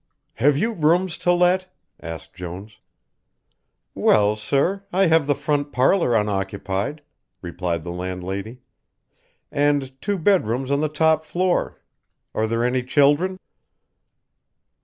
"Have you rooms to let?" asked Jones. "Well, sir, I have the front parlour unoccupied," replied the landlady, "and two bed rooms on the top floor. Are there any children?"